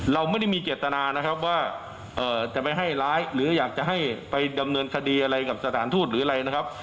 เราไม่ได้มีเจตนานะครับว่าจะไปให้ร้ายหรืออยากจะให้ไปดำเนินคดีอะไรกับสถานทูตหรืออะไรนะครับ